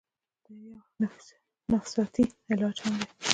دا يو نفسياتي علاج هم دے